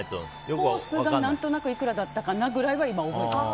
コースが何となくいくらだったかなぐらいは覚えています。